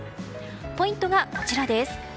ポイントはこちらです。